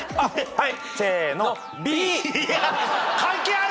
はい。